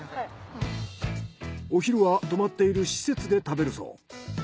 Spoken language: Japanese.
お昼は泊まっている施設で食べるそう。